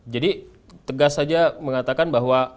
jadi tegas saja mengatakan bahwa